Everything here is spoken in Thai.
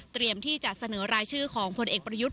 ที่จะเสนอรายชื่อของพลเอกประยุทธ์